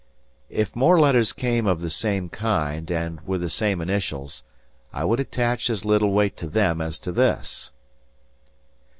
If more letters came of the same kind, and with the same initials, I would attach as little weight to them as to this.